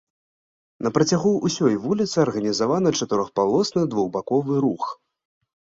На працягу ўсёй вуліцы арганізаваны чатырохпалосны двухбаковы рух.